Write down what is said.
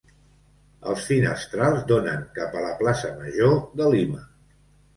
Els finestrals donen cap a la Plaça Major de Lima.